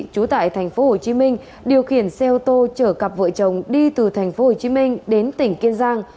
chú tại tp hcm điều khiển xe ô tô chở cặp vợ chồng đi từ tp hcm đến tỉnh kiên giang